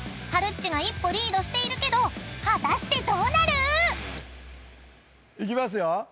［はるっちが一歩リードしているけど果たしてどうなる⁉］いきますよ。